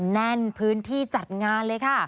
แน่นพื้นที่จัดงานเลยค่ะ